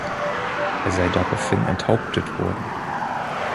Er sei daraufhin enthauptet worden.